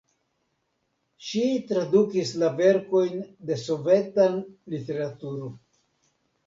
Ŝi tradukis la verkojn de sovetan literaturo.